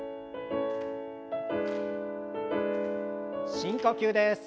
深呼吸です。